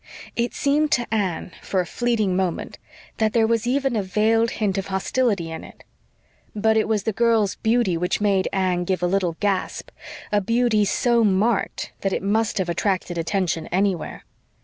It seemed to Anne, for a fleeting moment, that there was even a veiled hint of hostility in it. But it was the girl's beauty which made Anne give a little gasp a beauty so marked that it must have attracted attention anywhere.